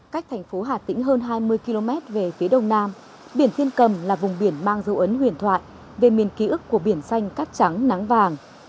cách thành phố hà tĩnh hơn hai mươi km về phía đông nam biển thiên cầm là vùng biển mang dấu ấn huyền thoại về miền ký ức của biển xanh cát trắng nắng vàng